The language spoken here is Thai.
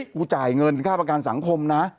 กูจ่ายเงินค่าประกันสังคมนะ